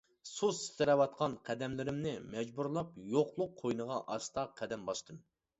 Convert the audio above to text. سۇس تىترەۋاتقان قەدەملىرىمنى مەجبۇرلاپ يوقلۇق قوينىغا ئاستا قەدەم باستىم.